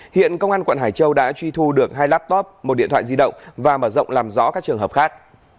hiện công an quận hải châu đã truy thu được hai laptop một điện thoại di động và mở rộng làm rõ các trường hợp khác